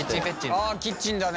あキッチンだね！